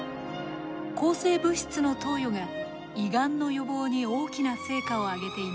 抗生物質の投与が胃がんの予防に大きな成果を上げています。